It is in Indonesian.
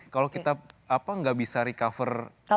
kalau kita gak bisa recover end to end nya